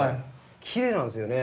きれいなんですよね。